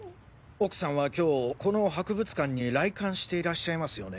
奥さんは今日この博物館に来館していらっしゃいますよね。